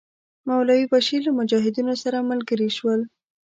مولوی بشیر له مجاهدینو سره ملګري شول.